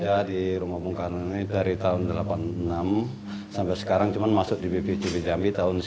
jadi rumah bung karno ini dari tahun seribu sembilan ratus delapan puluh enam sampai sekarang cuma masuk di bpcb jambi tahun seribu sembilan ratus sembilan puluh dua